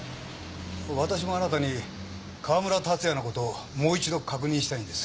私もあなたに川村達也のことをもう一度確認したいんです。